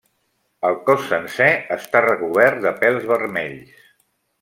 El cos sencer està recobert de pèls vermells.